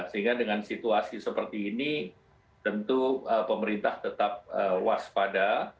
sehingga dengan situasi seperti ini tentu pemerintah tetap waspada